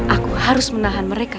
aku harus menahan mereka